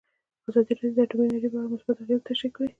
ازادي راډیو د اټومي انرژي په اړه مثبت اغېزې تشریح کړي.